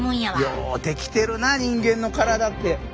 ようできてるな人間の体って！